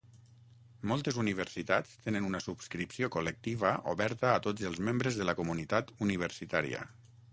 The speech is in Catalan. Moltes universitats tenen una subscripció col·lectiva oberta a tots els membres de la comunitat universitària.